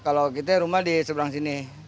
kalau kita rumah di seberang sini